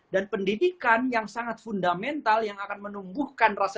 dan pendidikan yang sangat fundamental yang akan menumbuhkan rasanya